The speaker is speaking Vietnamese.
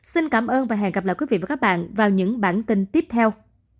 xin cảm ơn và hẹn gặp lại quý vị và các bạn vào những bản tin tiếp theo